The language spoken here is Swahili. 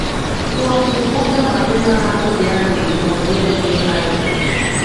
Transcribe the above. kuwa kumbuka mapema hapo jana nilikwambia ndiyo aidha